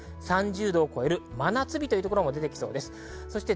３０度を超える真夏日のところも出てきそうです。